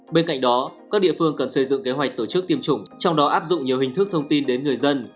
bên cạnh đó các địa phương cần xây dựng kế hoạch tổ chức tiêm chủng trong đó áp dụng nhiều hình thức thông tin đến người dân